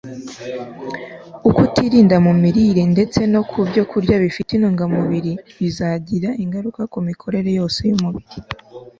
ukutirinda mu mirire, ndetse no ku byokurya bifite intungamubiri, bizagira ingaruka ku mikorere yose y'umubiri